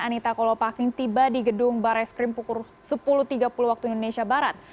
anita kolopaking tiba di gedung barreskrim pukul sepuluh tiga puluh waktu indonesia barat